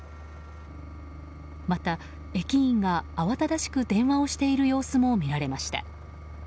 また、駅員が慌ただしく電話をしている様子も見られました。